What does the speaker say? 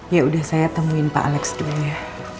ya udah saya temuin pak alex dulu ya